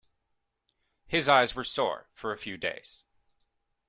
His eyes were sore for a few days.